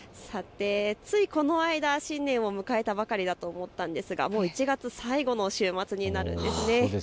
ついこの間、新年を迎えたばかりだと思ったんですがもう１月最後の週末になっているんですね。